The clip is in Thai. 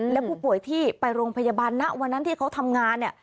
และผู้ป่วยที่ไปโรงพยาบาลณวันนั้นที่เขาทำงานเนี่ย